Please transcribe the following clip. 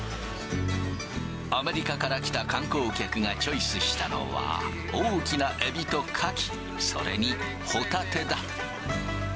アメリカから来た観光客がチョイスしたのは、大きなエビとカキ、それにホタテだ。